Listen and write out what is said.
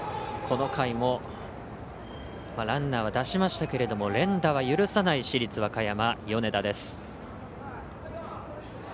この回もランナーは出しましたけれども連打は許さない市立和歌山米田です。